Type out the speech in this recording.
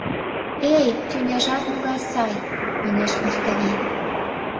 — Эй, тӱняжат могай сай! — манеш Муставий.